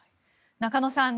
中野さん